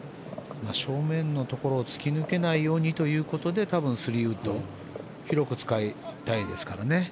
正面のところを突き抜けないようにということで多分３ウッド広く使いたいですからね。